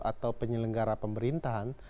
atau penyelenggara pemerintahan